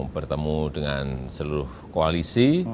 bertemu dengan seluruh koalisi